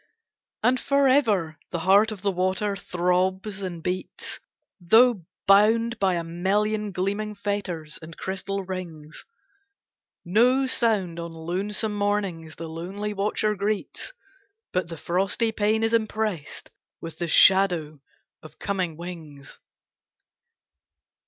And forever the heart of the water throbs and beats, Though bound by a million gleaming fetters and crystal rings, No sound on lonesome mornings the lonely watcher greets, But the frosty pane is impressed with the shadow of coming wings.